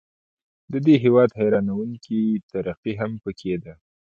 د دې هیواد حیرانوونکې ترقي هم پکې ده.